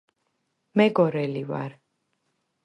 მე გორელი ვარ